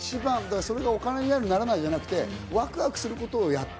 それがお金になる・ならないじゃなくて、ワクワクすることをやった。